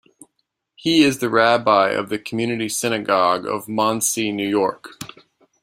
He is the rabbi of the Community Synagogue of Monsey, New York.